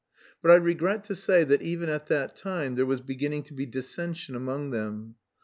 But I regret to say that even at that time there was beginning to be dissension among them.